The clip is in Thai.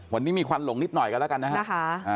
วันนี้มีควันหลงนิดหน่อยกันแล้วกันนะครับ